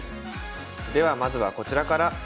ではまずはこちらから。